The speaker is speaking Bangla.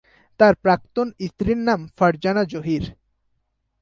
তার প্রাক্তন স্ত্রীর নাম ফারজানা জহির।